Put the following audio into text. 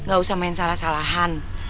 gak usah main salah salahan